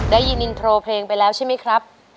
ได้ยินอินโทรเพลงไปแล้วใช่ไหมครับ